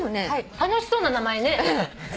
楽しそうな名前ね。